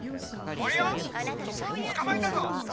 森生⁉捕まえたぞ！